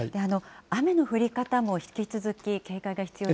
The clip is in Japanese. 雨の降り方も引き続き警戒が必要